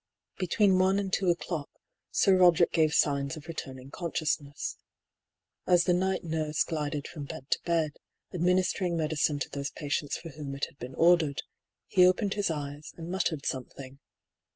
Between one and two o'clock. Sir Roderick gave signs of returning consciousness. As the night nurse glided from bed to bed, administering medicine to those patients for whom it had been ordered, he opened his eyes, and muttered something.